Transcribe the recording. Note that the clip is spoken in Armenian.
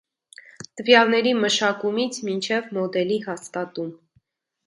Տվյալների մշակումից մինչև մոդելի հաստատում։